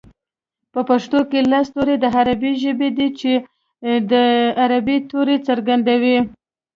په پښتو کې لس توري د عربۍ ژبې دي چې د عربۍ توري څرګندوي